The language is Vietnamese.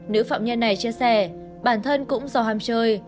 nữ phạm nhân này chia sẻ bản thân cũng do ham chơi